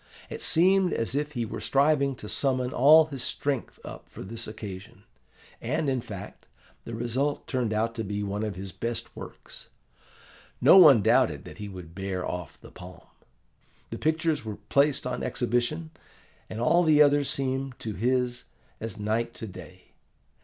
It seemed as if he were striving to summon all his strength up for this occasion. And, in fact, the result turned out to be one of his best works. No one doubted that he would bear off the palm. The pictures were placed on exhibition, and all the others seemed to his as night to day.